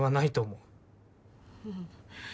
うん。